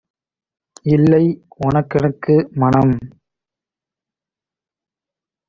"இல்லை உனக்கெனக்கு - மணம்